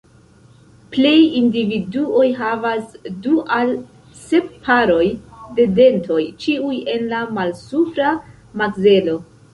Plej individuoj havas du al sep paroj de dentoj, ĉiuj en la malsupra makzelo.